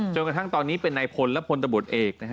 จนกระทั่งตอนนี้เป็นในพลและพลตบเอก